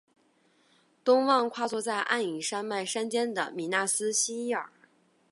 东望跨坐黯影山脉山肩的米那斯伊希尔。